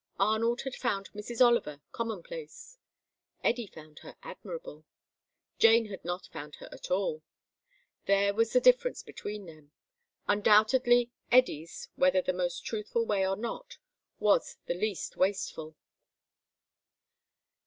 Arnold had found Mrs. Oliver commonplace. Eddy found her admirable. Jane had not found her at all. There was the difference between them. Undoubtedly Eddy's, whether the most truthful way or not, was the least wasteful.